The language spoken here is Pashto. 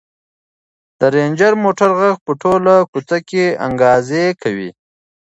د رنجر موټر غږ په ټوله کوڅه کې انګازې وکړې.